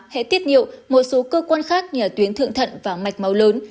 hệ tiết nhiệu một số cơ quan khác như tuyến thượng thận và mạch máu lớn